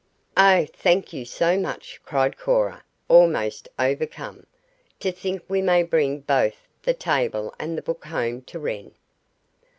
"Oh, thank you so much!" cried Cora, almost overcome. "To think we may bring both the table and the book home to Wren!"